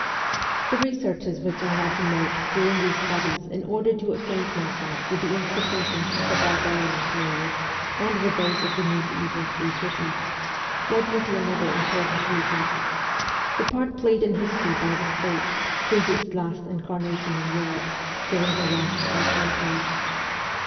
The researches which I had to make during these studies in order to acquaint myself with the institutions of the barbarian period and with those of the mediaeval free cities, led me to another important research the part played in history by the state, since its last WESTERN EUROPE 319 incarnation in Europe, during the last three centuries.